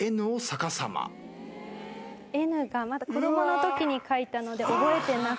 「Ｎ」がまだ子供のときに書いたので覚えてなくて。